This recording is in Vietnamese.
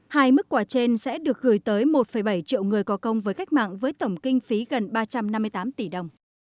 hai mức quả trên sẽ được gửi tới một bảy triệu người có công với cách mạng với tổng kinh phí gần ba trăm năm mươi tám tỷ đồng